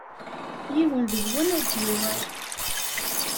Yiwen deg-wen ur d-yuɣal.